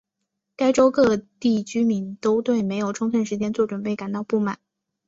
该州各地居民都对没有充分时间做准备感到不满。